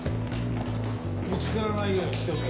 見つからないようにしておけ。